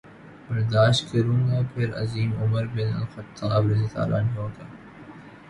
برداشت کروں گا پھر عظیم عمر بن الخطاب رض کا